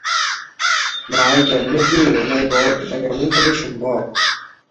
নদীর নামেই শহরটির নামকরণ করা হয়েছে।